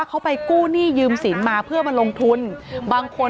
อ๋อเจ้าสีสุข่าวของสิ้นพอได้ด้วย